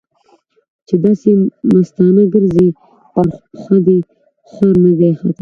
چې داسې مستانه ګرځې؛ پر پښه دې خر نه دی ختلی.